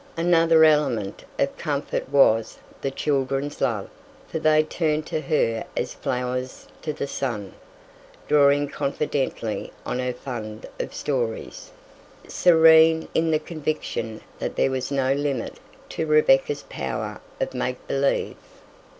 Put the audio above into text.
Another element of comfort was the children's love, for they turned to her as flowers to the sun, drawing confidently on her fund of stories, serene in the conviction that there was no limit to Rebecca's power of make believe.